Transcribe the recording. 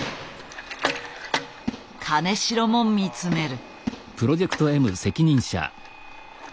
金城も見つめる。